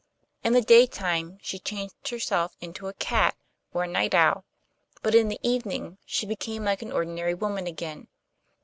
In the day time she changed herself into a cat or a night owl, but in the evening she became like an ordinary woman again.